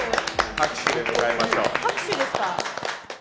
拍手ですか？